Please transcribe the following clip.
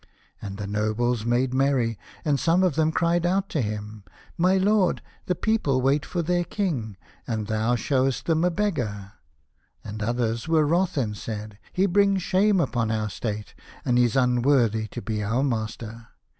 And the nobles made merry, and some of them cried out to him, " My lord, the people wait for their king, and thou showest them a beggar," and others were wrath and said, "He brings shame upon our state, and is un worthy to be our master."